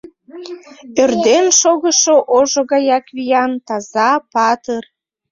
Ӧрден шогышо ожо гаяк виян, таза, патыр.